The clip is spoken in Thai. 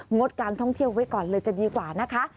งดการท่องเที่ยวไว้ก่อนเลยจะดีกว่านะคะ